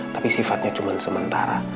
tapi sifatnya cuma sementara